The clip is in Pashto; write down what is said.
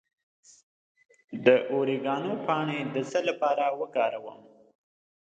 د اوریګانو پاڼې د څه لپاره وکاروم؟